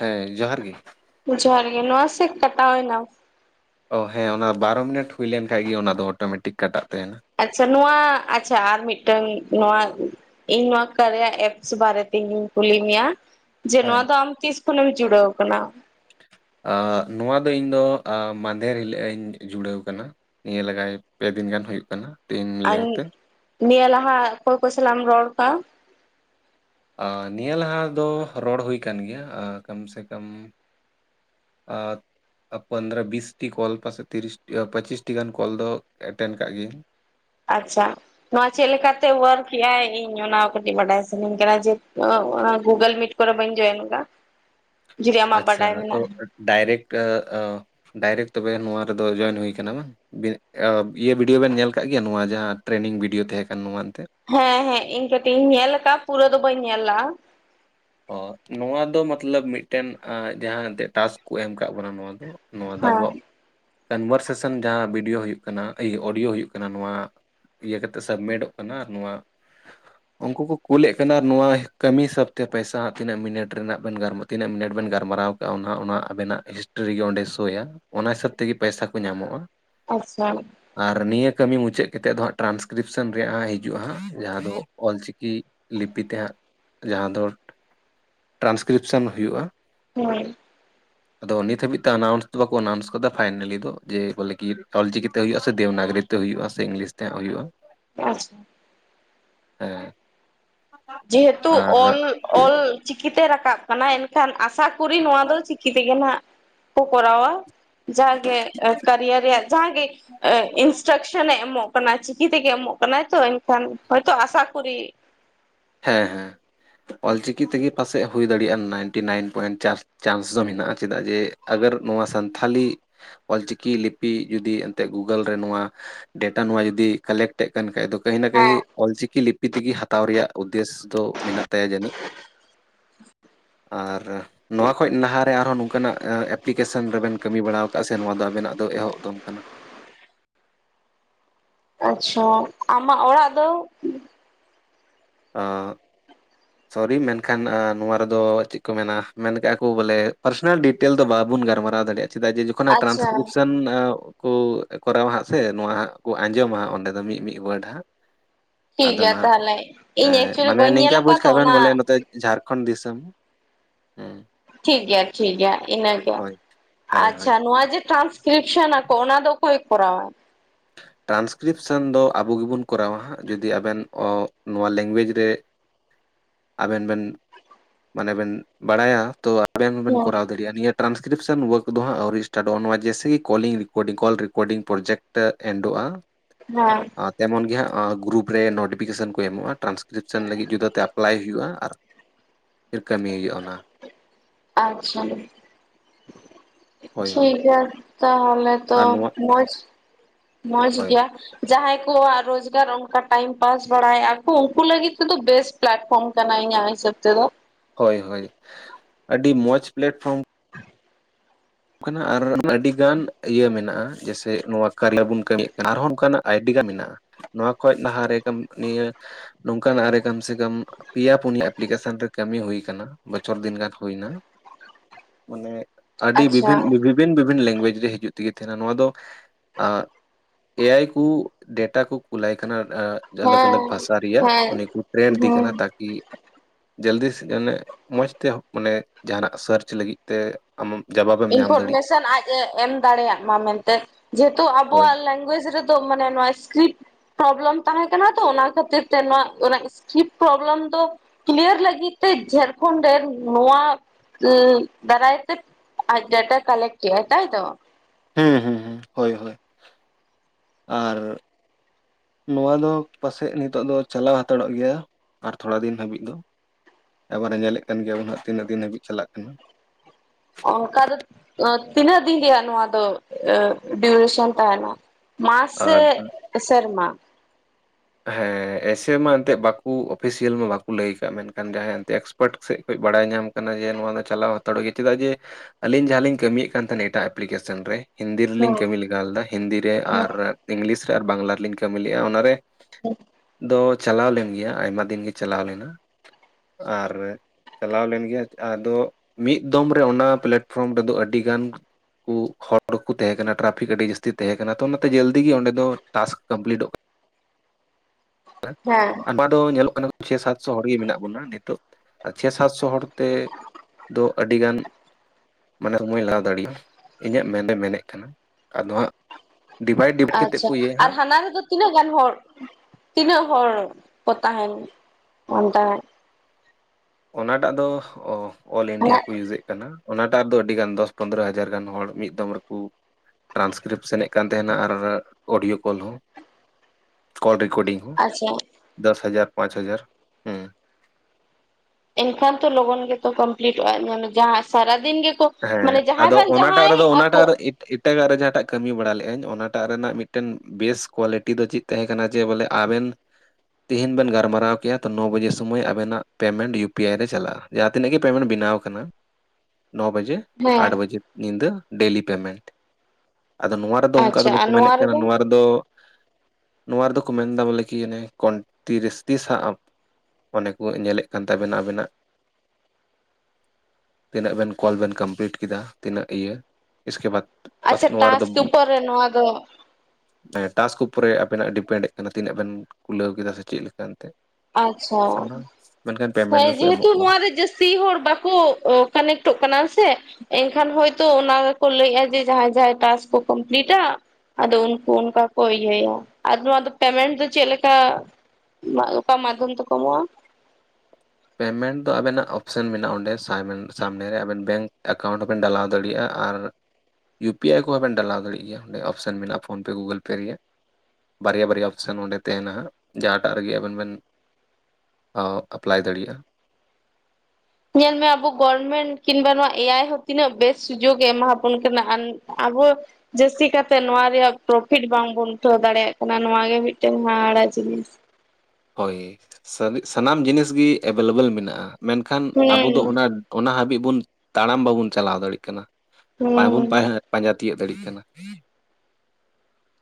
ᱦᱮᱸ ᱡᱚᱦᱟᱨ ᱜᱮ ᱡᱚᱦᱟᱨ ᱜᱮ ᱱᱚᱣᱟ ᱥᱮ ᱠᱟᱴᱟᱣᱱᱟ ᱾ ᱚ ᱦᱮᱸ ᱚᱱᱟ ᱵᱟᱨᱚ ᱢᱤᱱᱤᱴ ᱦᱩᱭ ᱞᱮᱱ ᱠᱷᱟᱡ ᱜᱮ ᱚᱱᱟ ᱫᱚ ᱚᱴᱳᱢᱮᱴᱤᱠ ᱠᱟᱴᱟᱜ ᱛᱟᱦᱮᱱᱟ ᱾ ᱟᱪᱪᱷᱟ ᱱᱚᱣᱟ ᱟᱪᱪᱷᱟ ᱟᱨ ᱢᱤᱫᱴᱟᱝ ᱱᱚᱣᱟ ᱤᱧ ᱱᱚᱣᱟ ᱠᱟᱨᱭᱟ ᱮᱯᱥ ᱵᱟᱨᱮᱛᱮᱧ ᱠᱩᱞᱤ ᱢᱮᱭᱟ ᱾ ᱡᱮ ᱦᱮᱸ ᱱᱚᱣᱟ ᱫᱚ ᱟᱢ ᱛᱤᱥ ᱠᱷᱚᱱᱮᱢ ᱡᱩᱲᱟᱹᱣ ᱟᱠᱟᱱᱟ? ᱟ ᱱᱚᱣᱟ ᱫᱚ ᱤᱧ ᱫᱚ ᱢᱟᱦᱫᱷᱮᱨ ᱦᱤᱞᱚᱜ ᱤᱧ ᱡᱩᱲᱟᱹᱣ ᱟᱠᱟᱱᱟ ᱾ ᱱᱤᱭᱟᱹ ᱞᱟᱜᱟᱭ ᱯᱮ ᱫᱤᱱ ᱜᱟᱱ ᱦᱩᱭᱩᱜ ᱠᱟᱱᱟ ᱾ ᱟᱨ ᱱᱤᱭᱟᱹ ᱞᱟᱦᱟ ᱚᱠᱚᱭᱠᱚ ᱥᱟᱞᱟᱜ ᱮᱢ ᱨᱚᱲ ᱟᱠᱟᱜᱼᱟ? ᱟ ᱱᱤᱭᱟᱹ ᱞᱟᱦᱟ ᱫᱚ ᱨᱚᱲ ᱦᱩᱭ ᱠᱟᱱ ᱜᱮᱭᱟ ᱠᱚᱢ ᱥᱮ ᱠᱟᱹᱢ ᱟ ᱯᱟᱹᱱᱫᱽᱨᱟ ᱵᱤᱥᱴᱤ ᱠᱚᱞ ᱯᱟᱥᱮᱫ ᱛᱤᱨᱤᱥ ᱟ ᱯᱚᱪᱤᱥᱴᱤ ᱜᱟᱱ ᱠᱚᱞ ᱫᱚ ᱮᱴᱮᱱ ᱟᱠᱟᱜ ᱜᱤᱭᱟᱹᱧ ᱾ ᱟᱪᱪᱷᱟ ᱾ ᱱᱚᱹᱣᱟ ᱪᱮᱫ ᱞᱮᱠᱟᱛᱮ ᱣᱟᱹᱨᱠᱮᱜᱟᱭ ᱤᱧ ᱚᱱᱟ ᱠᱟᱹᱴᱤᱡ ᱵᱟᱰᱟᱭ ᱥᱟᱹᱱᱟᱧ ᱠᱟᱱᱟ ᱡᱮ ᱚ ᱚᱱᱟ ᱜᱩᱜᱩᱞ ᱢᱤᱴ ᱠᱚᱨᱮ ᱵᱟᱹᱧ ᱡᱚᱭᱮᱱ ᱟᱠᱟᱜᱼᱟ ᱡᱩᱫᱤ ᱟᱢᱟᱜ ᱟᱪᱪᱷᱟ ᱵᱟᱰᱟᱭ ᱛᱚ ᱢᱮᱱᱟᱜᱼᱟ ᱾ ᱰᱟᱭᱨᱮᱠᱴ ᱟ ᱟ ᱰᱟᱭᱨᱮᱠᱴ ᱛᱚᱵᱮ ᱱᱚᱣᱟ ᱨᱮᱫᱚ ᱡᱚᱭᱮᱱ ᱦᱩᱭ ᱟᱠᱟᱱᱟ ᱵᱟᱝ ᱾ ᱵᱤᱱ ᱟ ᱤᱭᱟᱹ ᱵᱷᱤᱰᱭᱳ ᱵᱮᱱ ᱧᱮᱞ ᱟᱠᱟᱫ ᱜᱮᱭᱟ ᱱᱚᱣᱟ ᱡᱟᱦᱟᱸ ᱴᱨᱮᱱᱤᱝ ᱵᱷᱤᱰᱭᱳ ᱛᱟᱦᱮᱸ ᱠᱟᱱ ᱱᱚᱣᱟ ᱮᱱᱛᱮ? ᱦᱮᱸ ᱦᱮᱸ ᱤᱧ ᱠᱟᱹᱴᱤᱡ ᱤᱧ ᱧᱮᱞ ᱟᱠᱟᱫᱟ ᱯᱩᱨᱟᱹ ᱫᱚ ᱵᱟᱹᱧ ᱧᱮᱞ ᱞᱟᱜᱼᱟ ᱾ ᱚ ᱱᱚᱣᱟ ᱫᱚ ᱢᱟᱹᱛᱞᱟᱹᱵ ᱢᱤᱫᱴᱮᱱ ᱟᱸ ᱡᱟᱦᱟᱸ ᱮᱱᱛᱮᱜ ᱴᱟᱥᱠ ᱠᱚ ᱮᱢ ᱟᱠᱟᱫ ᱵᱚᱱᱟ ᱱᱚᱣᱟ ᱫᱚ ᱱᱚᱣᱟ ᱫᱚ ᱟᱵᱚᱣᱟᱜ ᱦᱮᱸ ᱠᱚᱱᱣᱟᱹᱨᱥᱮᱥᱟᱹᱱ ᱡᱟᱦᱟᱸ ᱵᱤᱰᱤᱭᱳ ᱦᱩᱭᱩᱼᱜ ᱠᱟᱱᱟ ᱟᱹᱭ ᱚᱰᱤᱭᱳ ᱦᱩᱭᱩᱜ ᱠᱟᱱᱟ ᱱᱚᱣᱟ ᱤᱭᱟᱹ ᱠᱟᱛᱮᱜ ᱥᱟᱵᱢᱤᱴᱚᱜ ᱠᱟᱱᱟ ᱟᱨ ᱱᱚᱣᱟ ᱩᱱᱠᱩ ᱠᱚ ᱠᱩᱞᱮᱫ ᱠᱟᱱᱟ ᱟᱨ ᱱᱚᱣᱟ ᱠᱟᱹᱢᱤ ᱥᱟᱹᱵ ᱛᱮ ᱯᱮᱭᱥᱟ ᱦᱟᱜ ᱛᱤᱱᱟᱹᱜ ᱢᱤᱱᱤᱴ ᱨᱮᱱᱟᱜ ᱵᱮᱱ ᱜᱟᱨ ᱛᱤᱱᱟᱹᱜ ᱢᱤᱱᱤᱴ ᱵᱮᱱ ᱜᱟᱞᱢᱟᱨᱟᱣ ᱠᱟᱜᱼᱟ ᱚᱱᱟ ᱚᱱᱟ ᱟᱹᱵᱮᱱᱟᱜ ᱦᱤᱥᱴᱨᱤ ᱨᱮᱜᱮ ᱚᱸᱰᱮ ᱥᱳᱭᱟ ᱚᱱᱟ ᱦᱤᱥᱟᱹᱵ ᱛᱮᱜᱮ ᱯᱮᱭᱥᱟ ᱠᱚ ᱧᱟᱢᱚᱜᱼᱟ ᱾ ᱟᱪᱪᱷᱟ ᱾ ᱟᱨ ᱱᱤᱭᱟᱹ ᱠᱟᱹᱢᱤ ᱢᱩᱪᱟᱹᱫ ᱠᱟᱛᱮᱜ ᱫᱚ ᱦᱟᱸᱜ ᱴᱨᱟᱱᱥᱠᱤᱨᱤᱯᱥᱚᱱ ᱨᱮᱭᱟᱜ ᱦᱟᱸᱜ ᱦᱤᱡᱩᱜᱼᱟ ᱦᱟᱸᱜ ᱡᱟᱦᱟᱸ ᱫᱚ ᱚᱞ ᱪᱤᱠᱤ ᱞᱤᱯᱤ ᱛᱮᱦᱟᱸᱜ ᱡᱟᱦᱟᱸ ᱫᱚ, ᱴᱨᱟᱱᱥᱠᱨᱤᱯᱥᱚᱱ ᱦᱩᱭᱩᱜᱼᱟ ᱦᱳᱭ᱾ ᱟᱫᱚ ᱱᱤᱛ ᱦᱟᱹᱵᱤᱡ ᱛᱮ ᱟᱱᱟᱣᱩᱱᱥ ᱫᱚ ᱵᱟᱠᱚ ᱟᱱᱟᱣᱩᱱᱥ ᱠᱟᱫᱟ ᱯᱷᱟᱭᱱᱟᱞᱤ ᱫᱚ, ᱡᱮ ᱵᱚᱞᱮ ᱠᱤ ᱚᱞ ᱪᱤᱠᱤ ᱛᱮ ᱦᱩᱭᱩᱜᱼᱟ ᱥᱮ ᱫᱮᱵᱽᱱᱟᱜᱚᱨᱤ ᱛᱮ ᱦᱩᱭᱩᱜᱼᱟ ᱥᱮ ᱤᱝᱞᱤᱥ ᱛᱮ ᱦᱟᱸᱜ ᱦᱩᱭᱩᱜᱼᱟ᱾ ᱟᱪᱪᱷᱟ᱾ ᱦᱮᱸ᱾ ᱡᱮᱦᱮᱛᱩ ᱟᱨ ᱚᱞ ᱚᱞ ᱪᱤᱠᱤ ᱛᱮ ᱨᱟᱠᱟᱵ ᱠᱟᱱᱟ ᱮᱱᱠᱷᱟᱱ [unintelligible] [unintelligible] ᱱᱚᱣᱟ ᱫᱚ ᱪᱤᱠᱤ ᱛᱮᱜᱮ ᱱᱷᱟᱜ ᱠᱚ ᱠᱚᱨᱟᱣᱟ ᱡᱟ ᱜᱮ ᱠᱟᱨᱭᱟ ᱨᱮᱭᱟᱜ ᱡᱟᱦᱟ ᱜᱮ ᱮ ᱤᱱᱥᱴᱨᱟᱠᱥᱮᱱ ᱮ ᱮᱢᱚᱜ ᱠᱟᱱᱟ ᱪᱤᱠᱤ ᱛᱮᱜᱮ ᱮᱢᱚᱜ ᱠᱟᱱᱟᱭ ᱛᱚ, ᱮᱱᱠᱷᱟᱱ ᱦᱚᱭ ᱛᱚ ᱟᱥᱟ ᱠᱚᱨᱤ ᱦᱮᱸ ᱦᱮᱸ, ᱚᱞ ᱪᱤᱠᱤ ᱛᱮ ᱜᱮ ᱯᱟᱥᱮᱡ ᱦᱩᱭ ᱫᱟᱲᱮᱭᱟᱜᱼᱟ ᱱᱟᱭᱤᱱᱴᱤ ᱱᱟᱭᱤᱱ ᱯᱚᱭᱮᱱᱴ [unintelligible] ᱪᱟᱱᱥ ᱫᱚ ᱢᱮᱱᱟᱜᱼᱟ ᱪᱮᱫ ᱟᱜ ᱡᱮ ᱟᱜᱟᱨ ᱱᱚᱣᱟ ᱥᱟᱱᱛᱷᱟᱞᱤ ᱚᱞ ᱪᱤᱠᱤ ᱞᱤᱯᱤ ᱡᱩᱫᱤ ᱮᱱᱛᱮᱜ ᱜᱩᱜᱳᱞ ᱨᱮ ᱱᱚᱣᱟ ᱰᱮᱴᱟ ᱱᱚᱣᱟ ᱡᱩᱫᱤ ᱠᱟᱞᱮᱠᱴ ᱮᱫ ᱠᱟᱱ ᱠᱷᱟᱡ ᱫᱚ ᱠᱟᱦᱤᱱᱟ ᱠᱟᱦᱤ ᱦᱮᱸ ᱚᱞ ᱪᱤᱠᱤ ᱞᱤᱯᱤ ᱛᱮᱜᱮ ᱦᱟᱛᱟᱣ ᱨᱮᱭᱟᱜ ᱩᱫᱽᱫᱮᱥ ᱫᱚ ᱢᱮᱱᱟᱜ ᱛᱟᱭᱟ ᱡᱟᱹᱱᱤᱡ᱾ [inaudible] ᱟᱨ᱾ ᱱᱚᱣᱟ ᱠᱷᱚᱱ ᱞᱟᱦᱟ ᱨᱮ ᱟᱨ ᱦᱚᱸ ᱱᱚᱝᱠᱟ ᱱᱟᱜ ᱮᱯᱞᱤᱠᱮᱥᱚᱱ ᱨᱮᱵᱮᱱ ᱠᱟᱹᱢᱤ ᱵᱟᱲᱟ ᱟᱠᱟᱜᱼᱟ ᱥᱮ ᱱᱚᱣᱟ ᱫᱚ ᱟᱵᱮ ᱱᱟᱜ ᱫᱚ ᱮᱦᱚᱵ ᱫᱚᱢ ᱠᱟᱱᱟ? ᱟᱪᱪᱷᱟ, ᱟᱢᱟᱜ ᱚᱲᱟᱜ ᱫᱚ? ᱟᱻ ᱥᱚᱨᱤ, ᱢᱮᱱᱠᱷᱟᱱ ᱱᱚᱣᱟ ᱨᱮᱫᱚ ᱪᱮᱫ ᱠᱚ ᱢᱮᱱᱟ ᱢᱮᱱ ᱟᱠᱟᱫ ᱟᱠᱚ ᱵᱚᱞᱮ ᱯᱟᱨ ᱥᱚᱱᱟᱞ [unintelligible] ᱴᱮᱞ ᱫᱚ ᱵᱟᱵᱚᱱ ᱜᱟᱨᱢᱟᱨᱟᱣ ᱫᱟᱲᱮᱭᱟᱜᱼᱟ ᱪᱮᱫ ᱟᱜ ᱡᱮ ᱡᱚᱠᱷᱚᱱ ᱱᱟᱜ ᱟᱪᱪᱷᱟ ᱴᱨᱟᱱᱥᱠᱨᱤᱯᱥᱚᱱ ᱠᱚ ᱠᱚᱨᱟᱣᱟ ᱦᱟᱸᱜ ᱥᱮ, ᱱᱚᱣᱟ ᱦᱟᱸᱜ ᱠᱚ ᱟᱸᱡᱚᱢᱟ ᱦᱟᱸᱜ ᱚᱸᱰᱮ ᱫᱚ ᱢᱤᱫ ᱢᱤᱫ ᱣᱟᱨᱰ ᱦᱟᱸᱜ᱾ ᱴᱷᱤᱠ ᱟᱫᱚ ᱜᱮᱭᱟ ᱱᱟᱦᱟᱜ ᱛᱟᱦᱞᱮ, ᱤᱧ ᱮᱠᱪᱩᱭᱮᱞᱤ ᱵᱟᱹᱧ ᱧᱮᱞ ᱟᱞᱟᱫᱟ ᱛᱚ ᱚᱱᱟ [unintelligible] ᱡᱷᱟᱨᱠᱷᱚᱸᱰ ᱫᱤᱥᱚᱢ᱾ ᱦᱮᱸ ᱴᱷᱤᱠ ᱜᱮᱭᱟ ᱴᱷᱤᱠ ᱜᱮᱭᱟ ᱤᱱᱟᱹᱜᱮ, ᱦᱳᱭ ᱦᱳᱭ ᱟᱪᱪᱷᱟ ᱱᱚᱣᱟ ᱡᱮ ᱴᱨᱟᱱᱥ [unintelligible] ᱠᱨᱤᱯᱥᱚᱱ ᱟᱠᱚ ᱚᱱᱟ ᱫᱚ ᱚᱠᱚᱭ ᱠᱚᱨᱟᱣ ᱟᱭ? ᱴᱨᱟᱱᱥᱠᱨᱤᱯᱥᱮᱱ ᱫᱚ ᱟᱵᱚ ᱜᱮᱵᱚᱱ ᱠᱚᱨᱟᱣᱟ ᱦᱟᱸᱜ ᱡᱩᱫᱤ ᱟᱵᱮᱱ ᱱᱚᱣᱟ ᱞᱮᱝᱜᱩᱭᱮᱡᱽ ᱨᱮ [inaudible] ᱟᱵᱮᱱ ᱵᱮᱱ ᱢᱟᱱᱮ ᱵᱮᱱ ᱵᱟᱲᱟᱭᱟ ᱛᱚ ᱟᱵᱮᱱ [unintelligible] ᱦᱮᱸ ᱠᱚᱨᱟᱣ ᱫᱟᱲᱮᱜᱼᱟ ᱱᱤᱭᱟᱹ ᱴᱨᱟᱱᱥᱠᱨᱤᱯᱥᱚᱱ ᱣᱟᱨᱠ ᱫᱚ ᱦᱟᱸᱜ ᱟᱹᱣᱨᱤ ᱮᱥᱴᱟᱴ ᱚᱜᱼᱟ ᱱᱚᱣᱟ ᱡᱮ [unintelligible] calling recording call recording project [unintelligible] and ᱚᱜᱼᱟ [unintelligible] ᱛᱮᱢᱚᱱ ᱜᱮ ᱦᱟᱸᱜ ᱜᱨᱩᱯ ᱨᱮ ᱱᱳᱴᱤ ᱯᱷᱤᱠᱮᱥᱚᱱ ᱠᱚ ᱮᱢᱚᱜᱼᱟ ᱴᱨᱟᱱᱥᱠᱨᱤᱯᱥᱮᱱ ᱞᱟᱹᱜᱤᱫ ᱡᱩᱫᱟᱹᱛᱮ ᱮᱯᱞᱟᱭ ᱦᱩᱭᱩᱜᱼᱟ ᱟᱨ [unintelligible] ᱠᱟᱹᱢᱤ ᱦᱩᱭᱩᱜᱼᱟ ᱚᱱᱟ᱾ ᱟᱪᱪᱷᱟ, ᱴᱷᱤᱠ ᱦᱳᱭ ᱦᱳᱭ ᱜᱮᱭᱟ ᱛᱟᱦᱞᱮ ᱛᱚ ᱟᱨ ᱱᱚᱣᱟ ᱢᱚᱸᱡᱽ, ᱢᱚᱸᱡᱽ ᱦᱳᱭ ᱜᱮᱭᱟ᱾ ᱡᱟᱸᱦᱟᱭ ᱠᱚᱣᱟᱜ ᱨᱚᱡᱽᱜᱟᱨ ᱚᱱᱠᱟ ᱴᱟᱭᱤᱢ ᱯᱟᱥ ᱵᱟᱲᱟᱭᱮᱜᱼᱟ ᱠᱚ ᱩᱱᱠᱩ ᱞᱟᱹᱜᱤᱫ ᱛᱮ ᱫᱚ ᱵᱮᱥ ᱯᱞᱟᱴᱯᱷᱚᱢ ᱠᱟᱱᱟ ᱤᱧᱟᱹᱜ ᱦᱤᱸᱥᱟᱹᱵᱽ ᱛᱮ ᱫᱚ᱾ ᱦᱳᱭ ᱦᱳᱭ, ᱟᱹᱰᱤ ᱢᱚᱸᱡᱽ ᱯᱞᱮᱴᱯᱷᱚᱢ ᱟᱨ ᱟᱹᱰᱤ ᱜᱟᱱ ᱤᱭᱟᱹ ᱢᱮᱱᱟᱜᱼᱟ ᱡᱮᱥᱮ ᱱᱚᱣᱟ ᱠᱟᱨᱭᱟ ᱵᱚᱱ ᱠᱟᱹᱢᱤᱭᱮᱫ ᱠᱟᱱᱟ ᱟᱨᱦᱚᱸ ᱚᱱᱠᱟ ᱱᱟᱜ [unintelligible] ᱢᱮᱱᱟᱜᱼᱟ ᱱᱚᱣᱟ ᱠᱷᱚᱡ ᱞᱟᱦᱟ ᱨᱮ ᱱᱤᱭᱟᱹ ᱱᱚᱝᱠᱟ ᱱᱟᱜ ᱨᱮ ᱠᱟᱢ ᱥᱮ ᱠᱟᱢ ᱯᱮᱭᱟ ᱯᱩᱱᱭᱟ ᱮᱯᱞᱤᱠᱮᱥᱚᱱ ᱨᱮ ᱠᱟᱹᱢᱤ ᱦᱩᱭ ᱠᱟᱱᱟ ᱵᱚᱪᱷᱚᱨ ᱫᱤᱱ ᱜᱟᱱ ᱦᱩᱭᱱᱟ᱾ ᱢᱟᱱᱮ ᱟᱹᱰᱤ ᱵᱤ ᱟᱪᱪᱷᱟ ᱵᱤᱵᱷᱤᱱ ᱵᱤᱵᱷᱤᱱ ᱞᱮᱝᱜᱩᱭᱮᱡᱽ ᱨᱮ ᱦᱤᱡᱩᱜ ᱛᱮ ᱜᱮ ᱛᱟᱦᱮᱱᱟ ᱱᱚᱣᱟ ᱫᱚ ᱟᱸ ᱮᱭᱟᱭ ᱠᱩ ᱰᱮᱴᱟ ᱠᱚ ᱠᱩᱞ ᱟᱭ ᱠᱟᱱᱟ ᱟᱻ ᱾ ᱟᱞᱟᱜᱽ ᱟᱞᱟᱜᱽ ᱦᱮᱸ ᱵᱷᱟᱥᱟ ᱨᱮᱭᱟᱜ ᱦᱮᱸ ᱩᱱᱤ ᱠᱚᱴᱨᱮᱱᱰ ᱤᱫᱤᱭᱮ ᱦᱮᱸ ᱠᱟᱱᱟ ᱛᱟᱠᱤᱼᱼ ᱡᱚᱞᱫᱤ ᱥᱮ ᱚᱱᱮ ᱢᱚᱸᱡᱽ ᱛᱮ ᱢᱟᱱᱮ ᱡᱟᱦᱟ ᱱᱟᱜ ᱥᱟᱨᱪ ᱞᱟᱹᱜᱤᱫ ᱛᱮ ᱟᱢᱮᱜ ᱡᱚᱸᱵᱟᱵ ᱾ ᱤᱱᱯᱷᱚᱨᱢᱮᱥᱚᱱ ᱟᱡ ᱮ ᱮᱢ ᱫᱟᱲᱮᱭᱟᱜ ᱢᱟ ᱢᱮᱱᱛᱮ, ᱡᱮᱦᱮᱛᱩ ᱦᱳᱭ ᱟᱵᱚᱣᱟᱜ ᱞᱮᱝᱜᱩᱭᱮᱡᱽ ᱨᱮᱼᱼ ᱱᱤᱛᱚ ᱢᱟᱱᱮ ᱱᱚᱣᱟ ᱥᱠᱨᱤᱯᱰᱼᱼ ᱯᱨᱳᱵᱞᱮᱢ ᱛᱟᱦᱮᱸ ᱠᱟᱱᱟ ᱛᱚ, ᱚᱱᱟ ᱠᱷᱟᱹᱛᱤᱨ ᱛᱮ ᱱᱚᱣᱟ ᱥᱠᱨᱤᱯᱰ ᱯᱨᱚᱵᱞᱮᱢ ᱫᱚᱼᱼ ᱠᱞᱤᱭᱟᱨ ᱞᱟᱹᱜᱤᱫ ᱛᱮ ᱡᱷᱟᱲᱠᱷᱚᱸᱰ ᱨᱮᱱ ᱱᱚᱣᱟ ᱫᱟᱨᱟᱭ ᱛᱮᱼᱼ ᱟᱡ ᱰᱟᱴᱟᱭ ᱠᱟᱞᱮᱠᱰ ᱠᱮᱜᱼᱟ ᱛᱟᱭ ᱛᱚ ᱾ ᱦᱮᱸ ᱦᱮᱸ ᱦᱚᱭ ᱦᱚᱭ ᱟᱨᱼᱼ ᱱᱚᱣᱟ ᱫᱚ ᱯᱟᱥᱮᱡ ᱱᱤᱛᱚᱜ ᱫᱚ ᱪᱟᱞᱟᱣ ᱦᱟᱛᱟᱲᱚᱜ ᱜᱮᱭᱟ, ᱟᱨ ᱛᱷᱚᱲᱟ ᱫᱤᱱ ᱦᱟᱹᱵᱤᱡ ᱫᱚ ᱾ ᱮᱵᱟᱨᱮ ᱧᱮᱞᱮᱫ ᱠᱟᱱ ᱜᱮᱭᱟ ᱵᱚᱱ ᱦᱟᱸᱜ ᱛᱤᱱᱟᱹᱜ ᱫᱤᱱ ᱦᱟᱹᱵᱤᱡ ᱪᱟᱞᱟᱜ ᱠᱟᱱᱟ ᱾ ᱚᱱᱠᱟ ᱫᱚ ᱛᱤᱱᱟᱹᱜ ᱫᱤᱱ ᱨᱮᱭᱟᱜ ᱱᱚᱣᱟ ᱫᱚ ᱰᱩᱨᱮᱥᱚᱱ ᱛᱟᱦᱮᱱᱟ ᱾ ᱢᱟᱥ ᱥᱮ ᱟᱨ ᱥᱮᱨᱢᱟ ᱾ ᱦᱮᱸ ᱮᱥᱮ ᱢᱟ ᱮᱱᱛᱮᱜ ᱵᱟᱠᱚ ᱚᱯᱷᱤᱥᱤᱭᱟᱞ ᱢᱟ ᱵᱟᱠᱚ ᱞᱟᱹᱭ ᱟᱠᱟᱜ, ᱢᱮᱱᱠᱷᱟᱱ ᱡᱟᱦᱟᱸᱭ ᱮᱱᱛᱮᱼᱼ ᱨᱮᱯᱚᱴ ᱥᱮᱫ ᱠᱷᱚᱱ ᱵᱟᱲᱟᱭ ᱧᱟᱢ ᱠᱟᱱᱟ ᱡᱮ ᱱᱚᱣᱟ ᱫᱚ ᱪᱟᱞᱟᱣ ᱦᱟᱛᱟᱲ ᱜᱮᱭᱟ ᱾ ᱪᱮᱫᱟᱜ ᱡᱮ ᱟᱹᱞᱤᱧ ᱡᱟᱦᱟᱸᱞᱤᱧ ᱠᱟᱹᱢᱤᱭᱮᱫ ᱠᱟᱱ ᱛᱟᱦᱮᱱᱟ ᱮᱴᱟᱜ ᱮᱯᱞᱤᱠᱮᱥᱚᱱ ᱨᱮᱼᱼ ᱦᱤᱱᱫᱤ ᱦᱮᱸ ᱨᱮᱞᱤᱧ ᱠᱟᱢᱤ ᱞᱮᱜᱟ ᱞᱮᱫᱟ ᱦᱤᱱᱫᱤ ᱨᱮ ᱦᱮᱸ ᱟᱨ ᱤᱝᱞᱤᱥ ᱨᱮ, ᱟᱨ ᱵᱟᱝᱞᱟ ᱨᱮᱞᱤᱧ ᱠᱟᱹᱢᱤ ᱞᱮᱫᱼᱟ ᱾ ᱚᱱᱟᱨᱮᱼᱼ ᱦᱮᱸ [unintelligible] ᱫᱚ ᱪᱟᱞᱟᱣ ᱞᱮᱱ ᱜᱮᱭᱟ, ᱟᱭᱢᱟ ᱫᱤᱱ ᱜᱮ ᱪᱟᱞᱟᱣ ᱞᱮᱱᱟ ᱾ ᱟᱨᱼᱼ ᱪᱟᱞᱟᱣ ᱞᱮᱱ ᱜᱮᱭᱟ, ᱟᱫᱚ ᱢᱤᱫ ᱫᱚᱢ ᱨᱮ ᱚᱱᱟ ᱯᱞᱟᱴᱯᱷᱨᱚᱢ ᱨᱮᱫᱚ ᱟᱹᱰᱤᱜᱟᱱᱼᱼ ᱦᱚᱲᱠᱩ ᱛᱟᱦᱮᱸ ᱠᱟᱱᱟ ᱴᱨᱟᱯᱷᱤᱠ ᱟᱹᱰᱤ ᱡᱟᱹᱥᱛᱤ ᱛᱟᱦᱮᱸ ᱠᱟᱱᱟ, ᱛᱚ ᱚᱱᱟᱛᱮ ᱡᱚᱞᱫᱤ ᱜᱮ ᱚᱸᱰᱮ ᱫᱚ ᱴᱟᱥᱠ ᱠᱚᱢᱯᱞᱤᱴᱚᱜ ᱠᱟᱱᱟ ᱾ ᱦᱮᱸ ᱾ ᱟᱭᱢᱟ ᱫᱚ ᱧᱮᱞᱚᱜ ᱠᱟᱱᱟ ᱪᱷᱮ ᱥᱟᱛᱥᱚ ᱦᱚᱲ ᱜᱮ ᱢᱮᱱᱟᱜ ᱵᱚᱱᱟ ᱾ ᱱᱤᱛᱚᱜ ᱟᱨ ᱪᱷᱮ ᱥᱟᱛᱥᱚ ᱦᱚᱲᱛᱮᱼᱼ ᱫᱚ ᱟᱹᱰᱤ ᱜᱟᱱᱼᱼ ᱢᱟᱱᱮ ᱵᱟᱹᱧ ᱞᱟᱦᱟᱣ ᱫᱟᱲᱮᱭᱟᱜᱼᱟ, ᱤᱧᱟᱹᱜ ᱢᱮᱱᱨᱮ ᱢᱮᱱᱮᱫ ᱠᱟᱱᱟ ᱾ ᱟᱫᱚ ᱦᱟᱸᱜᱼᱼ ᱟᱪᱪᱷᱟ, ᱟᱨ ᱦᱟᱱᱟ ᱨᱮᱫᱚᱼᱼ ᱛᱤᱱᱟᱹᱜ ᱜᱟᱱ ᱦᱚᱲ ᱛᱤᱱᱟᱹᱜ ᱦᱚᱲ ᱠᱚ ᱛᱟᱦᱮᱱ ᱠᱟᱱ ᱛᱟᱦᱮᱫ ᱾ ᱚᱱᱟᱴᱟᱜ ᱫᱚ ᱚᱞ ᱤᱱᱰᱤᱭᱟ ᱢᱟᱱᱮ ᱠᱚ ᱤᱭᱩᱡ ᱮᱫ ᱾ ᱠᱟᱱᱟ, ᱚᱱᱟᱴᱟᱜ ᱨᱮᱫᱚ ᱟᱹᱰᱤ ᱜᱟᱱ ᱫᱚᱥ ᱯᱚᱱᱫᱽᱨᱚ ᱦᱟᱡᱟᱨ ᱜᱟᱱ ᱦᱚᱲ, ᱢᱤᱫ ᱫᱚᱢ ᱨᱮᱠᱚᱼᱼ ᱴᱨᱟᱱᱥᱠᱨᱤᱯᱥᱮᱱ ᱠᱟᱱ ᱛᱟᱦᱮᱱᱟ, ᱟᱨ ᱚᱰᱤᱭᱳ ᱠᱚᱞ ᱦᱚᱸ ᱠᱚᱞ ᱨᱮᱠᱳᱰᱤᱝ ᱾ ᱟᱪᱪᱷᱟ ᱾ ᱫᱚᱥ ᱦᱟᱡᱟᱨ ᱯᱟᱸᱪ ᱦᱟᱡᱟᱨ ᱾ ᱮᱱᱠᱷᱟᱱ ᱛᱚ ᱞᱚᱜᱚᱱ ᱜᱮᱛᱚ ᱠᱚᱢᱯᱞᱤᱴᱚᱜᱼᱟ ᱾ ᱧᱮᱞ ᱡᱟᱦᱟᱸ ᱥᱟᱨᱟ ᱫᱤᱱ ᱜᱮᱼᱼ ᱦᱮᱸ ᱟᱫᱚ ᱚᱱᱟᱴᱟᱜ ᱨᱮᱫᱚ ᱚᱱᱟᱴᱟᱜᱼᱼ ᱮᱴᱟᱜᱟᱜ ᱨᱮ ᱡᱟᱦᱟᱸᱴᱟᱜ ᱠᱟᱹᱢᱤ ᱵᱟᱲᱟ ᱞᱮᱫᱟᱹᱧ ᱚᱱᱟᱴᱟᱜ ᱨᱮᱱᱟᱜ ᱢᱤᱫᱴᱮᱱ ᱵᱮᱥ ᱠᱚᱣᱟᱞᱤᱴᱤ ᱫᱚ ᱪᱮᱫᱼᱼ ᱛᱟᱦᱮᱸ ᱠᱟᱱᱟ ᱡᱮ, ᱵᱚᱞᱮ ᱟᱵᱮᱱᱼᱼ ᱛᱤᱦᱤᱧ ᱵᱮᱱ ᱜᱟᱞᱢᱟᱨᱟᱣ ᱠᱮᱜᱼᱟ ᱛᱚ ᱱᱚ ᱵᱟᱡᱮ ᱥᱚᱢᱚᱭ ᱟᱵᱮᱱᱟᱜ ᱯᱮᱢᱮᱱᱴ ᱤᱭᱩ ᱯᱤ ᱟᱭ ᱨᱮ ᱪᱟᱞᱟᱜᱼᱟ ᱾ ᱡᱟᱦᱟᱸ ᱛᱤᱱᱟᱹᱜ ᱜᱮ ᱯᱮᱢᱮᱱᱴ ᱵᱮᱱᱟᱣ ᱟᱠᱟᱱᱟ ᱾ ᱱᱚ ᱵᱟᱡᱮ ᱟᱴ ᱦᱮᱸ ᱵᱟᱡᱮ ᱧᱤᱫᱟᱹ ᱰᱤᱞᱤ ᱯᱮᱢᱮᱱᱴ ᱟᱫᱚ ᱱᱚᱣᱟᱼᱼ ᱟᱫᱚ ᱚᱱᱠᱟ ᱫᱚ ᱟᱪᱪᱷᱟ ᱟᱨ ᱵᱟᱠᱚ ᱢᱮᱱᱮᱫ ᱠᱟᱱᱟ ᱨᱮᱫᱚ ᱱᱚᱣᱟ ᱨᱮᱫᱚᱼᱼ ᱱᱚᱣᱟ ᱨᱮᱫᱚ ᱠᱚ ᱢᱮᱱ ᱮᱫᱟ ᱵᱚᱞᱮ ᱠᱤᱠᱴᱤ ᱨᱥᱛᱤ ᱥᱟᱵ ᱟᱢᱼᱼ ᱚᱱᱮ ᱠᱚ ᱧᱮᱞᱮᱫ ᱠᱟᱱ ᱛᱟᱵᱮᱱᱟ, ᱟᱵᱮᱱᱟᱜ ᱛᱤᱱᱟᱹᱜ ᱵᱮᱱᱼᱼ ᱠᱚᱞ ᱵᱮᱱ ᱠᱢᱯᱞᱤᱴ ᱠᱮᱫᱟ, ᱛᱤᱱᱟᱹᱜ ᱤᱭᱟᱹ ᱤᱥᱠᱮ ᱵᱟᱫᱽᱼᱼ ᱯᱟᱥᱮᱫ ᱟᱪᱪᱷᱟ ᱱᱚᱣᱟ ᱨᱮᱫᱚᱼᱼ ᱴᱟᱥᱠ ᱩᱯᱚᱨ ᱨᱮ ᱱᱚᱣᱟ ᱫᱚ ᱴᱟᱥᱠ ᱩᱯᱚᱨᱮ ᱟᱵᱮᱱᱟᱜ ᱰᱤᱯᱮᱱᱰ ᱮᱜ ᱠᱟᱱᱟ, ᱛᱤᱱᱟᱹᱜ ᱵᱮᱱ ᱠᱩᱞᱟᱹᱣ ᱠᱮᱫᱟ ᱥᱮ ᱪᱮᱫ ᱞᱮᱠᱟ ᱮᱱᱛᱮ ᱾ ᱟᱪᱪᱷᱟ᱾ ᱯᱮᱢᱮᱱᱴ ᱦᱚᱭ ᱫᱚᱠᱚ ᱡᱮᱦᱮᱛᱩ ᱮᱢᱚᱜ ᱜᱮᱭᱟ ᱱᱚᱣᱟ ᱨᱮ ᱥᱤ ᱦᱚᱲ ᱵᱟᱠᱚ ᱠᱟᱱᱮᱠᱴᱚᱜ ᱠᱟᱱᱟ ᱥᱮ ᱮᱱᱠᱷᱟᱱ ᱦᱚᱭᱛᱚ ᱚᱱᱟᱠᱚ ᱞᱟᱹᱭᱮᱫᱼᱟ ᱡᱮ ᱡᱟᱦᱟᱸᱭ ᱡᱟᱦᱟᱸᱭ ᱴᱟᱥᱠ ᱠᱚ ᱠᱚᱢᱯᱞᱤᱴᱟ ᱟᱫᱚ ᱩᱱᱠᱩ ᱚᱱᱠᱟ ᱠᱚ ᱤᱭᱟᱹᱭᱟ ᱟᱨ ᱱᱚᱣᱟ ᱫᱚ ᱯᱮᱢᱮᱱᱴ ᱫᱚ ᱪᱮᱫᱮᱠᱟ ᱢᱟᱫᱽᱫᱷᱚᱢ ᱛᱮ ᱠᱚ ᱮᱢᱚᱜᱼᱟ᱾ ᱯᱮᱢᱮᱱᱴ ᱫᱚ ᱟᱵᱮᱱᱟᱜ ᱚᱯᱥᱮᱱ ᱢᱮᱱᱟᱜᱼᱟ ᱚᱸᱰᱮ ᱥᱟᱢᱱᱮ ᱨᱮ ᱟᱵᱮᱱ ᱵᱮᱝᱠ ᱮᱠᱟᱣᱩᱱᱴ ᱵᱮᱱ ᱰᱟᱞᱟᱣ ᱫᱟᱲᱮᱭᱟᱜᱼᱟ ᱟᱨ ᱤᱭᱩ ᱯᱤ ᱟᱭ ᱠᱚᱦᱚᱸᱵᱮᱱ ᱰᱟᱞᱟᱣ ᱫᱟᱲᱮᱜᱭᱟᱜ ᱜᱮᱭᱟ, ᱚᱸᱰᱮ ᱚᱯᱥᱮᱱ ᱢᱮᱱᱟᱜᱼᱟ ᱯᱷᱳᱱ ᱯᱮ ᱜᱩᱜᱩᱞ ᱯᱮ ᱨᱮᱭᱟᱜ᱾ ᱵᱟᱨᱭᱟ ᱵᱟᱨᱭᱟ ᱚᱯᱷᱥᱮᱱ ᱚᱸᱰᱮ ᱛᱟᱦᱮᱱᱟ ᱡᱟᱦᱟᱸᱴᱟᱜ ᱨᱮᱜᱮ ᱟᱵᱮᱱ ᱵᱮᱱ ᱮᱯᱞᱟᱭ ᱫᱟᱲᱮᱭᱟᱜᱼᱟ᱾ ᱧᱮᱞ ᱢᱮ ᱟᱵᱚ ᱜᱚᱨᱢᱮᱱᱴ ᱠᱤᱢᱵᱟ ᱱᱚᱣᱟ ᱮ ᱟᱭ ᱦᱚᱸ ᱛᱤᱱᱟᱹᱜ ᱵᱮᱥ ᱥᱩᱡᱚᱜ ᱮ ᱮᱢᱟᱵᱚᱱ ᱠᱟᱱᱟ᱾ ᱟᱵᱚ ᱡᱟᱹᱥᱛᱤ ᱠᱟᱛᱮᱜ ᱱᱚᱣᱟ ᱨᱮᱭᱟᱜ ᱯᱨᱚᱯᱷᱤᱴ ᱵᱟᱝᱵᱚᱱ ᱩᱴᱷᱟᱹᱣ ᱫᱟᱲᱮᱭᱟᱜ ᱠᱟᱱᱟ, ᱱᱚᱣᱟᱣᱟᱜ ᱜᱮ ᱢᱤᱫᱴᱮᱱ ᱦᱟᱦᱟᱲᱟᱜ ᱡᱤᱱᱤᱥ᱾ ᱦᱚᱭ ᱥᱟᱱᱟᱢ ᱡᱤᱱᱤᱥᱜᱤ ᱮᱵᱮᱞᱮᱵᱮᱞ ᱢᱮᱱᱟᱜᱼᱟ᱾ ᱢᱮᱱᱠᱷᱟᱱ ᱟᱵᱚ ᱫᱚ ᱦᱩᱸ ᱚᱱᱟ ᱚᱱᱟ ᱦᱟᱹᱵᱤᱡ ᱵᱩᱱ ᱛᱟᱲᱟᱢ ᱵᱟᱵᱚᱱ ᱪᱟᱞᱟᱣ ᱫᱟᱲᱮᱭᱟᱜ ᱠᱟᱱᱟ ᱵᱟᱵᱚᱱ ᱦᱩᱸ ᱯᱟᱸᱡᱟ ᱛᱤᱭᱟᱜ ᱫᱟᱲᱮᱜ ᱠᱟᱱᱟ᱾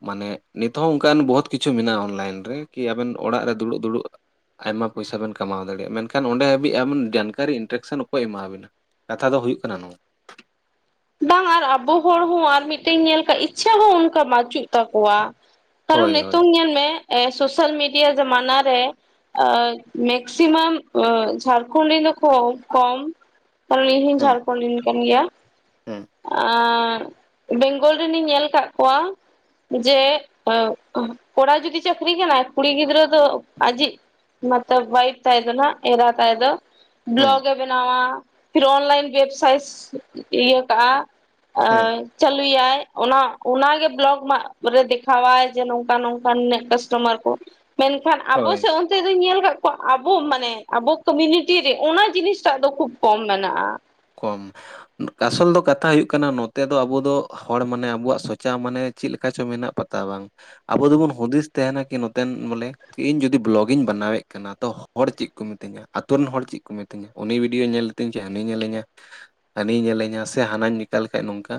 ᱢᱟᱱᱮ ᱱᱤᱛ ᱦᱚᱸ ᱚᱱᱠᱟᱱ ᱵᱚᱦᱩᱛ ᱠᱤᱪᱷᱩ ᱢᱮᱱᱟᱜᱼᱟ, ᱚᱱᱞᱟᱭᱤᱱ ᱨᱮ ᱠᱤ ᱟᱵᱮᱱ ᱚᱲᱟᱜ ᱨᱮ ᱫᱩᱲᱩᱵ ᱫᱩᱲᱩᱵ ᱟᱭᱢᱟ ᱯᱚᱭᱥᱟ ᱵᱮᱱ ᱠᱟᱢᱟᱣ ᱫᱟᱲᱮᱭᱟᱜᱼᱟ, ᱢᱮᱱᱠᱷᱟᱱ ᱚᱸᱰᱮ ᱦᱟᱹᱵᱤᱡ ᱟᱵᱤᱱ ᱡᱟᱱᱠᱟᱨᱤ ᱤᱱᱴᱟᱨᱠᱥᱮᱱ ᱚᱠᱚᱭ ᱮᱢᱟᱵᱮᱱᱟ᱾ ᱠᱟᱛᱷᱟ ᱫᱚ ᱦᱩᱭᱩᱜ ᱠᱟᱱᱟ ᱱᱚᱣ ᱵᱟᱝ ᱟᱨ ᱟᱵᱚ ᱦᱚᱲ ᱦᱚᱸ ᱟᱨ ᱢᱤᱫᱴᱮᱱ ᱧᱮᱞ ᱟᱠᱟᱜ ᱤᱪᱪᱷᱷᱟ ᱦᱚᱸ ᱚᱱᱠᱟ ᱵᱟᱪᱩᱜ ᱛᱟᱠᱚᱣᱟ᱾ ᱠᱟᱨᱚᱱ ᱦᱳᱭ ᱦᱳᱭ ᱱᱤᱛᱚᱝ ᱧᱮᱞ ᱢᱮ ᱥᱚᱥᱟᱞ ᱢᱤᱰᱤᱭᱟ ᱡᱚᱢᱟᱱᱟ ᱨᱮ ᱢᱮᱠᱥᱤᱢᱟᱢ ᱡᱷᱟᱲᱠᱷᱚᱱᱰ ᱨᱮᱱᱫᱚ ᱠᱚ ᱠᱚᱢ ᱠᱟᱨᱚᱱ ᱤᱧ ᱦᱚᱸᱧ ᱦᱩᱸ ᱡᱷᱟᱲᱠᱷᱚᱸᱰ ᱨᱮᱧ ᱠᱟᱱ ᱜᱮᱭᱟ᱾ ᱦᱩᱸ᱾ ᱟᱸᱻ ᱵᱮᱝᱜᱚᱞ ᱨᱮᱱᱤᱧ ᱧᱮᱞ ᱟᱠᱟᱫ ᱠᱚᱣᱟ ᱡᱮ ᱠᱚᱲᱟ ᱡᱩᱫᱤ ᱪᱟᱹᱠᱨᱤ ᱠᱟᱱᱟᱭ ᱠᱩᱲᱤ ᱜᱤᱫᱽᱨᱟᱹ ᱫᱚ ᱟᱡᱤᱡ ᱚᱣᱟᱭᱤᱯ ᱛᱟᱭ ᱫᱚ ᱦᱟᱸᱜ ᱮᱨᱟ ᱛᱟᱭ ᱫᱚ ᱦᱩᱸ ᱵᱞᱚᱜᱮ ᱵᱮᱱᱟᱣᱟ ᱯᱷᱤᱨ ᱚᱱᱞᱟᱭᱤᱱ ᱵᱮᱵᱥᱟᱭ ᱠᱟᱜᱼᱟ ᱦᱩᱸ [unintelligible] ᱪᱟᱞᱩᱭᱟᱭ ᱚᱱᱟ ᱚᱱᱟᱜᱮ ᱵᱞᱚᱜ ᱨᱮ ᱫᱮᱠᱷᱟᱣᱟᱭ ᱡᱮ ᱱᱚᱝᱠᱟ ᱱᱚᱝᱠᱟᱱ ᱱᱤᱱᱟᱹᱜ ᱠᱟᱥᱴᱚᱢᱟᱨ ᱠᱚ ᱢᱮᱱᱠᱷᱟᱱ ᱟᱵᱚ ᱦᱳᱭ ᱥᱮᱫ ᱫᱚᱧ ᱧᱮᱞ ᱟᱠᱟᱫ ᱠᱚᱣᱟ ᱟᱵᱚ ᱢᱟᱱᱮ ᱟᱵᱚ ᱠᱚᱢᱩᱱᱤᱴᱤ ᱨᱮ ᱚᱱᱟ ᱡᱤᱱᱤᱥᱴᱟᱜ ᱫᱚ ᱠᱷᱩᱵ ᱠᱚᱢ ᱢᱮᱱᱟᱜᱼᱟ᱾ ᱠᱚᱢ᱾ ᱠᱟᱥᱚᱞ ᱫᱚ ᱠᱟᱛᱷᱟ ᱦᱩᱭᱩᱜ ᱠᱟᱱᱟ ᱱᱚᱛᱮ ᱫᱚ ᱟᱵᱚ ᱫᱚ ᱦᱚᱲ ᱢᱟᱱᱮ ᱟᱵᱚᱣᱟᱜ ᱥᱚᱪᱟ ᱢᱟᱱᱮ ᱪᱮᱫ ᱞᱮᱠᱟ ᱪᱚ ᱢᱮᱱᱟᱜ ᱵᱟᱝ᱾ ᱟᱵᱚ ᱫᱚᱵᱚᱱ ᱦᱩᱫᱤᱥ ᱛᱟᱦᱮᱱᱟ ᱠᱤ ᱱᱚᱛᱮᱱ ᱵᱚᱞᱮ ᱤᱧ ᱡᱩᱫᱤ ᱵᱞᱚᱜ ᱤᱧ ᱵᱮᱱᱟᱣᱮᱫ ᱠᱟᱱᱟ ᱛᱚ ᱦᱚᱲ ᱪᱮᱫ ᱠᱚ ᱢᱤᱛᱟᱹᱧᱟ, ᱟᱛᱩ ᱨᱮᱱ ᱦᱚᱲ ᱪᱮᱫ ᱠᱚ ᱢᱤᱛᱟᱹᱧᱟ᱾ ᱩᱱᱤ ᱵᱷᱤᱰᱭᱚ ᱧᱮᱞ ᱞᱤᱛᱤᱧ ᱡᱮ ᱦᱟᱹᱱᱤ ᱧᱮᱞᱮᱧᱟ ᱦᱟᱹᱱᱤᱭ ᱧᱮᱞᱮᱧᱟ ᱥᱮ ᱦᱟᱱᱟᱧ ᱞᱤᱧᱠᱟ ᱞᱮᱠᱷᱟᱱᱡ ᱱᱚᱝᱠᱟ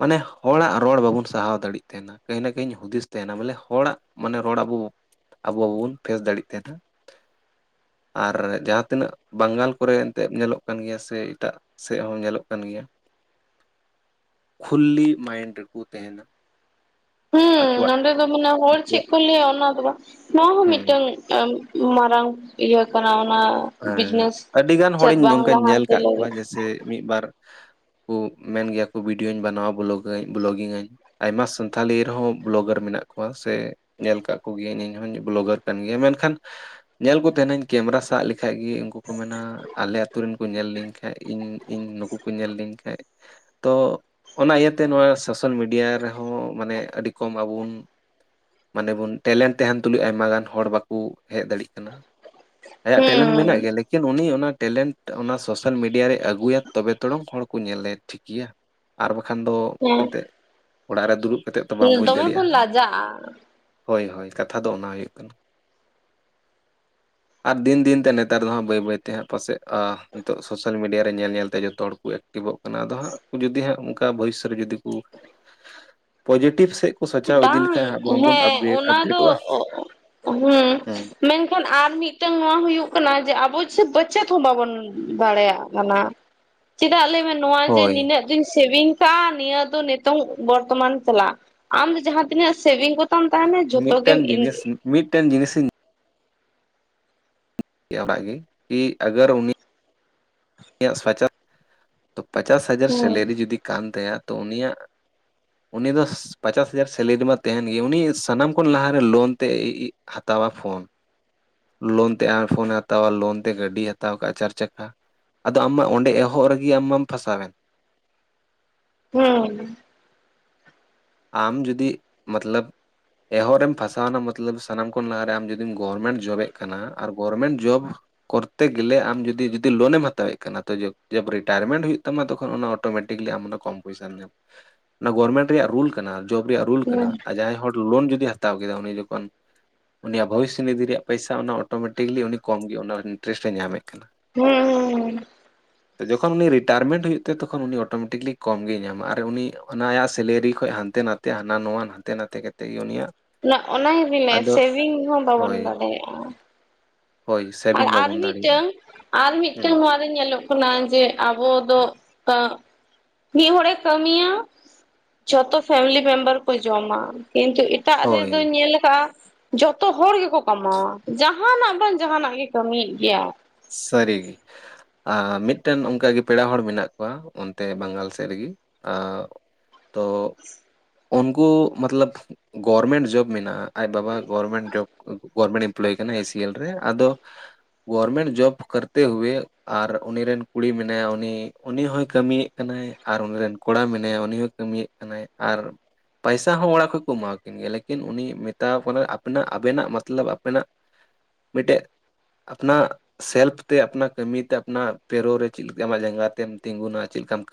ᱢᱟᱱᱮ ᱦᱚᱲᱟᱜ ᱨᱚᱲ ᱵᱟᱵᱚᱱ ᱥᱟᱦᱟᱣ ᱫᱟᱲᱮᱜ ᱛᱟᱦᱮᱫ᱾ ᱠᱟᱹᱦᱤ ᱱᱟ ᱜᱮᱧ ᱦᱩᱫᱤᱥ ᱛᱟᱦᱮᱱᱟ ᱵᱚᱞᱮ ᱦᱚᱲᱟᱜ ᱢᱟᱱᱮ ᱨᱚᱲ ᱟᱵᱚ ᱟᱵᱚ ᱵᱟᱵᱚᱱ ᱯᱷᱮᱥ ᱫᱟᱲᱮᱭᱟᱜ ᱛᱟᱦᱮᱱᱟ᱾ ᱟᱨ ᱡᱟᱦᱟᱸ ᱛᱤᱱᱟᱹᱜ ᱵᱟᱝᱜᱟᱞ ᱠᱚᱨᱮ ᱮᱱᱛᱮᱫ ᱧᱮᱞᱚᱜ ᱠᱟᱱ ᱜᱮᱭᱟ ᱥᱮ ᱮᱴᱟᱜ ᱥᱮᱫ ᱦᱚᱸ ᱧᱮᱞᱚᱜ ᱠᱟᱱ ᱜᱮᱭᱟ᱾ ᱠᱷᱩᱞᱞᱤ ᱢᱟᱭᱤᱰ ᱨᱮᱠᱚ ᱛᱟᱦᱮᱱᱟ᱾ ᱦᱩᱸ ᱟᱠᱚᱣᱟᱜ ᱱᱚᱸᱰᱮ ᱫᱚ ᱢᱮᱱᱟ ᱦᱚᱲ ᱪᱮᱫ ᱟᱠᱚᱣᱟᱜ ᱠᱚ ᱞᱟᱹᱭᱟ ᱚᱱᱟ ᱫᱚ ᱵᱟᱝ ᱱᱚᱣᱟ ᱦᱚᱸ ᱦᱩᱸ ᱢᱤᱫᱴᱟᱝ [unintelligible] ᱢᱟᱨᱟᱝ ᱤᱭᱟᱹ ᱠᱟᱱᱟ ᱚᱱᱟᱼᱼ ᱮᱸ ᱟᱹᱰᱤ ᱜᱟᱱ ᱦᱚᱲᱤᱧ ᱚᱱᱠᱟᱧ ᱧᱮᱞ ᱞᱟᱦᱟᱱᱛᱤ ᱟᱠᱟᱫ ᱠᱚᱣᱟ ᱞᱟᱹᱜᱤᱫ ᱡᱮᱭᱥᱮ ᱢᱤᱫ ᱵᱟᱨᱼᱼ ᱠᱩ ᱢᱮᱱ ᱜᱮᱭᱟ ᱠᱚ ᱵᱷᱤᱰᱭᱳᱧ ᱵᱮᱱᱟᱣᱟ ᱵᱞᱚᱠ ᱟᱹᱧ ᱠᱞᱚᱜᱤᱝᱟᱹᱧ ᱟᱭᱢᱟ ᱥᱟᱱᱛᱷᱟᱞᱤ ᱨᱮ ᱦᱚᱸ ᱵᱞᱚᱜᱟᱨ ᱢᱮᱱᱟᱜ ᱠᱚᱣᱟ ᱥᱮᱼᱼ ᱧᱮᱞ ᱠᱟᱫ ᱠᱚᱜᱮᱧ ᱤᱧᱦᱚᱧ ᱵᱞᱚᱜᱟᱨ ᱠᱟᱱ ᱜᱮᱭᱟ ᱢᱮᱱ ᱠᱷᱟᱱ ᱧᱮᱞ ᱠᱚ ᱛᱟᱦᱮᱱᱟᱹᱧ ᱠᱮᱢᱮᱨᱟ ᱥᱟᱵ [unintelligible] ᱠᱷᱟᱡ ᱜᱮ ᱩᱱᱠᱩ ᱠᱚ ᱢᱮᱱᱟ ᱟᱞᱮ ᱟᱛᱳ ᱨᱮᱱ ᱠᱚ ᱧᱮᱞ ᱞᱤᱧ ᱠᱷᱟᱡ ᱤᱧ ᱤᱧ ᱱᱩᱠᱩ ᱠᱚ ᱧᱮᱞ ᱞᱤᱧ ᱠᱷᱟᱡᱼᱼ ᱛᱚ ᱚᱱᱟ ᱤᱭᱟᱹ ᱛᱮ ᱱᱚᱣᱟ ᱥᱳᱥᱟᱞ ᱢᱤᱰᱤᱭᱟ ᱨᱮᱦᱚᱸ ᱢᱟᱱᱮ ᱟᱹᱰᱤ ᱠᱚᱢ ᱟᱵᱚ ᱵᱚᱱ ᱢᱟᱱᱮ ᱵᱚᱱ ᱴᱮᱞᱮᱱᱴ ᱛᱟᱦᱮᱱ ᱛᱩᱞᱩᱡ ᱟᱭᱢᱟ ᱜᱟᱱ ᱦᱚᱲ ᱵᱟᱠᱚ ᱦᱮᱡ ᱫᱟᱲᱮᱭᱟᱜ ᱠᱟᱱᱟ ᱟᱭᱟᱜ ᱴᱮᱞᱮᱱᱴ ᱢᱮᱱᱟᱜ ᱦᱩᱸ ᱜᱮᱭᱟ ᱞᱮᱠᱤᱱ ᱩᱱᱤ ᱚᱱᱟ ᱴᱮᱞᱮᱱᱴᱼᱼ ᱚᱱᱟ ᱥᱳᱥᱟᱞ ᱢᱤᱰᱤᱭᱟ ᱨᱮ ᱟᱹᱜᱩᱭᱟ ᱛᱚᱵᱮ ᱛᱚᱨᱚᱝ ᱦᱚᱲ ᱠᱚ ᱧᱮᱞᱮ ᱴᱷᱤᱠ ᱜᱮᱭᱟ ᱟᱨ ᱵᱟᱠᱷᱟᱱ ᱫᱚ ᱮᱱᱛᱮᱜ ᱦᱮᱸ ᱚᱲᱟᱜ ᱨᱮ ᱫᱩᱲᱩᱵ ᱠᱟᱛᱮᱜ ᱛᱚ ᱵᱟᱢ ᱵᱩᱡᱽ ᱫᱚᱢᱮ ᱵᱚᱱ ᱫᱟᱲᱮᱭᱟᱜᱼᱟ ᱞᱟᱡᱟᱜᱼᱟ ᱦᱳᱭ ᱦᱳᱭ ᱠᱟᱛᱷᱟ ᱫᱚ ᱚᱱᱟ ᱦᱩᱭᱩᱜ ᱠᱟᱱᱟ ᱟᱨ ᱫᱤᱱ ᱫᱤᱱᱼᱼ ᱛᱮ ᱱᱮᱛᱟᱨ ᱫᱚ ᱦᱟᱸᱜ ᱵᱟᱹᱭ ᱵᱟᱹᱭ ᱛᱮ ᱦᱟᱸᱜ ᱯᱟᱥᱮᱡ ᱱᱤᱛᱚᱜ ᱥᱳᱥᱟᱞ ᱢᱤᱰᱤᱭᱟ ᱨᱮ ᱧᱮᱞ ᱧᱮᱞᱛᱮ ᱡᱚᱛᱚ ᱦᱚᱲ ᱠᱚ ᱮᱠᱼᱼ ᱟᱹᱠᱤᱵᱚᱜ ᱠᱟᱱᱟ ᱟᱫᱚ ᱦᱟᱸᱜ ᱡᱩᱫᱤ ᱦᱟᱸᱜ ᱚᱱᱠᱟ ᱵᱷᱚᱭᱤᱥᱥᱚ ᱨᱮ ᱡᱩᱫᱤ ᱠᱚᱼᱼ [inaudible] ᱯᱚᱡᱤᱴᱤᱵᱷ ᱥᱮ ᱵᱟᱝ ᱦᱮᱸ ᱚᱱᱟ ᱫᱚ ᱟᱯᱰᱮᱴᱚᱜᱼᱟ ᱦᱮᱸᱼᱼ ᱦᱮᱸ ᱢᱮᱱ ᱠᱷᱟᱱ ᱟᱨ ᱢᱤᱫᱴᱟᱝ ᱱᱚᱣᱟ ᱦᱩᱭᱩᱜ ᱠᱟᱱᱟ ᱡᱮ ᱟᱵᱚ ᱪᱮᱫ ᱢᱟᱪᱮᱫ ᱦᱚᱸ ᱵᱟᱵᱚᱱ ᱫᱟᱲᱮᱭᱟᱜ ᱠᱟᱱᱟ ᱪᱮᱫᱟᱜ ᱞᱟᱹᱭ ᱢᱮ ᱱᱚᱣᱟ ᱡᱮ ᱦᱳᱭ ᱱᱤᱱᱟᱹᱜ ᱫᱤᱱ ᱥᱮᱵᱤᱝ ᱠᱟᱜᱼᱟ ᱱᱤᱭᱟᱹ ᱫᱚ ᱱᱤᱛᱚᱝ ᱵᱚᱨᱛᱚᱢᱟᱱ ᱪᱟᱞᱟᱜ ᱟᱢ ᱫᱚ ᱡᱟᱦᱟᱸᱛᱤᱱᱟᱹᱜ ᱥᱮ ᱵᱷᱤᱝ ᱠᱚᱛᱟᱢ ᱛᱟᱦᱮᱱᱟ ᱡᱷᱚᱛᱚ ᱜᱮᱢ [unintelligible] ᱢᱤᱫᱴᱮᱱ ᱡᱤᱱᱤᱥ ᱤᱧᱼᱼ [unintelligible] ᱜᱮ ᱮ ᱟᱜᱟᱨ ᱩᱱᱤ ᱤᱧᱟᱹᱜ [unintelligible] ᱛᱚ ᱯᱟᱪᱟᱥ ᱦᱟᱡᱟᱨ ᱦᱩᱸ ᱥᱮᱞᱨᱤ ᱡᱩᱫᱤ ᱠᱟᱱ ᱛᱟᱭᱟ ᱛᱚ ᱩᱱᱤᱭᱟᱜ ᱩᱱᱤ ᱫᱚᱼᱼ ᱯᱟᱪᱟᱥ ᱦᱟᱡᱟᱨ ᱥᱮᱞᱨᱤ ᱢᱟ ᱛᱟᱦᱮᱱ ᱜᱮ ᱩᱱᱤ ᱥᱟᱱᱟᱢ ᱠᱷᱚᱱ ᱞᱟᱦᱟ ᱨᱮ ᱞᱳᱱ ᱛᱮ ᱦᱟᱛᱟᱣᱟ ᱯᱷᱳᱱ ᱞᱳᱱ ᱛᱮ ᱟᱭ ᱯᱷᱳᱱᱮ ᱦᱟᱛᱟᱣᱟ ᱞᱳᱱ ᱛᱮ ᱜᱟᱹᱰᱤ ᱦᱟᱛᱟᱣ ᱠᱟᱜ ᱪᱟᱨ ᱪᱟᱠᱟ ᱟᱫᱚ ᱟᱢ ᱢᱟ ᱚᱸᱰᱮ ᱮᱦᱚᱵ ᱨᱮᱜᱮ ᱟᱢ ᱢᱟᱢ ᱯᱷᱟᱥᱟᱣ ᱮᱱ ᱦᱮᱸ ᱟᱢ ᱡᱩᱫᱤ ᱢᱚᱛᱞᱚᱵᱼᱼ ᱮᱦᱚᱵ ᱨᱮᱢ ᱯᱷᱟᱥᱟᱣᱱᱟ ᱢᱚᱛᱞᱚᱵ ᱥᱟᱱᱟᱢ ᱠᱷᱚᱱ ᱞᱟᱦᱟ ᱨᱮ ᱟᱢ ᱡᱩᱫᱤᱢ ᱜᱚᱨᱢᱮᱱᱴ ᱡᱚᱵ ᱮᱫ ᱠᱟᱱᱟ ᱟᱨ ᱜᱚᱨᱢᱮᱱᱴ ᱡᱚᱵ ᱠᱚᱨᱛᱮ ᱜᱮᱞᱮ ᱟᱢ ᱡᱩᱫᱤ ᱡᱩᱫᱤ ᱞᱳᱱᱮᱢ ᱦᱟᱛᱟᱣ ᱮᱫ ᱠᱟᱱᱟ᱾ ᱛᱚ [unintelligible] ᱡᱟᱵ ᱨᱤᱴᱟᱭᱟᱨᱢᱮᱱᱴ ᱦᱩᱭᱩᱜ ᱛᱟᱢᱟ ᱛᱚᱠᱷᱚᱱ ᱚᱱᱟᱼᱼ ᱚᱴᱳᱢᱮᱴᱤᱠᱞᱤ ᱟᱢ ᱚᱱᱟ ᱠᱚᱢ ᱯᱚᱭᱥᱟᱢ ᱚᱱᱟ ᱜᱚᱵᱚᱨᱢᱮᱱᱴ ᱨᱮᱭᱟᱜ ᱨᱩᱞ ᱠᱟᱱᱟ ᱡᱚᱵ ᱨᱮᱭᱟᱜ ᱨᱩᱞ ᱠᱟᱱᱟ ᱦᱩᱸ ᱟᱨ ᱡᱟᱦᱟᱸᱭ ᱦᱚᱲ ᱞᱳᱱ ᱡᱩᱫᱤ ᱦᱟᱛᱟᱣ ᱠᱮᱫᱟ ᱩᱱᱤ ᱡᱚᱠᱷᱚᱱ ᱩᱱᱤᱭᱟᱜ ᱵᱷᱚᱵᱤᱥᱥᱚ ᱱᱤᱫᱷᱤᱭ ᱨᱮᱭᱟᱜ ᱯᱚᱭᱥᱟ ᱚᱱᱟ ᱚᱴᱳᱢᱮᱴᱤᱠᱮᱠᱞᱤ ᱩᱱᱤ ᱠᱚᱢ ᱜᱮ ᱚᱱᱟ ᱤᱱᱴᱟᱨᱮᱥ ᱮ ᱧᱟᱢᱮᱫ ᱠᱟᱱᱟ ᱦᱮᱸ ᱦᱮᱸ ᱦᱮᱸ ᱡᱚᱠᱷᱚᱱ ᱩᱱᱤ ᱨᱤᱴᱟᱭᱟᱨᱢᱮᱱᱴ ᱦᱩᱭᱩᱜ ᱛᱟᱭᱟ ᱛᱚᱠᱷᱚᱱ ᱩᱱᱤ ᱚᱴᱳᱢᱮᱴᱤᱠᱮᱠᱞᱤ ᱠᱚᱢ ᱜᱮᱭ ᱧᱟᱢᱟ ᱟᱨ ᱩᱱᱤ ᱚᱱᱟ ᱟᱭᱟᱜ ᱥᱮᱞᱨᱤ ᱠᱷᱚᱱᱚᱡ ᱦᱟᱱᱛᱮᱼᱼ ᱦᱟᱱᱛᱮ ᱱᱟᱛᱮ ᱦᱟᱱᱟ ᱱᱟᱣᱟ ᱦᱟᱱᱛᱮ ᱱᱟᱛᱮ ᱠᱟᱛᱮ ᱜᱮ ᱩᱱᱤᱭᱟᱜ ᱚᱱᱟ ᱚᱱᱟ ᱜᱮᱵᱤᱱ [unintelligible] ᱟᱫᱚ ᱥᱮᱵᱤᱝ ᱦᱚᱸ ᱵᱟᱵᱚᱱ ᱦᱳᱭ ᱵᱟᱰᱟᱭᱼᱟ ᱦᱳᱭ ᱟᱨ ᱥᱮᱵᱷᱤᱝ ᱟᱨ ᱵᱟᱵᱚᱱ ᱫᱟᱲᱮᱭᱟᱜᱼᱟ ᱢᱤᱫᱴᱟᱝ ᱟᱨ ᱦᱩᱸ ᱢᱤᱫᱴᱟᱝ ᱱᱚᱣᱟᱼᱼ ᱧᱮᱞᱚᱜ ᱠᱟᱱᱟ ᱡᱮ ᱟᱵᱚ ᱫᱚ [unintelligible] ᱢᱤᱫ ᱦᱚᱲᱮ ᱠᱟᱹᱢᱤᱭᱟ ᱡᱷᱚᱛᱚ ᱯᱷᱮᱢᱮᱞᱤ ᱢᱮᱢᱵᱟᱨ ᱠᱚ ᱡᱚᱢᱟ ᱠᱤᱱᱛᱩ ᱤᱴᱼᱼ ᱮᱴᱟᱜ ᱦᱳᱭ ᱨᱮᱫᱚᱧ ᱧᱮᱞ ᱟᱠᱟᱜᱼᱟ ᱡᱚᱛᱚ ᱦᱚᱲ ᱜᱮᱠᱚ ᱠᱟᱢᱟᱣᱟ ᱡᱟᱦᱟᱱᱟᱜ ᱵᱟᱝᱼᱼ ᱡᱟᱦᱟᱱᱟᱜ ᱜᱮ ᱠᱟᱹᱢᱤᱭ ᱮᱫ ᱜᱮᱭᱟ᱾ ᱥᱟᱹᱨᱤᱜᱮ ᱟᱨ ᱢᱤᱫᱴᱮᱱ ᱚᱱᱠᱟᱜᱮ ᱯᱮᱲᱟ ᱦᱚᱲ ᱢᱮᱱᱟᱜ ᱠᱚᱣᱟ ᱚᱱᱛᱮ ᱵᱟᱝᱜᱟᱞ ᱥᱮᱫ ᱨᱮᱜᱮ ᱟᱨ ᱛᱚ ᱩᱱᱠᱩ ᱢᱚᱛᱞᱚᱵ ᱜᱚᱨᱢᱮᱱᱴ ᱡᱚᱵ ᱢᱮᱱᱟᱜᱼᱟ ᱟᱡ ᱵᱟᱵᱟ ᱜᱚᱨᱢᱮᱱᱴ ᱡᱚᱵ ᱜᱚᱵᱚᱨᱢᱮᱱᱴ ᱮᱢᱯᱞᱚᱭ ᱠᱟᱱᱟ ᱮ ᱥᱤ ᱮᱞ ᱨᱮ ᱟᱫᱚ ᱜᱚᱨᱢᱮᱱᱴ ᱡᱚᱵ ᱠᱟᱨᱛᱮ ᱦᱩᱭᱮ ᱟᱨ ᱩᱱᱤ ᱨᱮᱱ ᱠᱩᱲᱤ ᱢᱮᱱᱟᱭᱟ ᱩᱱᱤ ᱩᱱᱤ ᱦᱚᱸᱭ ᱠᱟᱹᱢᱤᱭᱮᱫ ᱠᱟᱱᱟᱭ ᱟᱨ ᱩᱱᱤ ᱨᱮᱱ ᱠᱚᱲᱟ ᱢᱮᱱᱟᱭᱟ ᱩᱱᱤ ᱦᱚᱸ ᱠᱟᱹᱢᱤᱭᱮᱫ ᱠᱟᱱᱟᱭ ᱟᱨ ᱯᱟᱭᱥᱟ ᱦᱚᱸ ᱚᱲᱟᱜ ᱠᱷᱚᱡ ᱠᱚ ᱮᱢᱟᱣ ᱠᱤᱱᱟ ᱜᱮ ᱞᱮᱠᱤᱱ ᱩᱱᱤ ᱢᱮᱛᱟᱣ ᱠᱟᱱᱟᱭ ᱟᱯᱮᱱᱟᱜ ᱟᱵᱮᱱᱟᱜ ᱢᱚᱛᱞᱚᱵᱽ ᱟᱯᱮᱱᱟᱜ ᱢᱤᱫᱴᱮᱡ ᱟᱯᱱᱟ ᱥᱮᱞᱯ ᱛᱮ ᱟᱯᱱᱟ ᱠᱟᱹᱢᱤ ᱛᱮ ᱟᱯᱱᱟ ᱯᱮᱨᱳ ᱨᱮ ᱪᱮᱫ ᱞᱮᱠᱟ ᱟᱢᱟᱜ ᱡᱟᱸᱜᱟ ᱛᱮᱢ ᱛᱤᱸᱜᱩᱱᱟ ᱪᱮᱫ ᱞᱮᱠᱟᱢ ᱠᱟᱹ